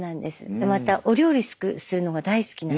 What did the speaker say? でまたお料理するのが大好きなんです。